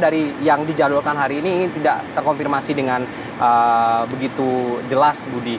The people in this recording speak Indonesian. jadi yang dijadwalkan hari ini tidak terkonfirmasi dengan begitu jelas budi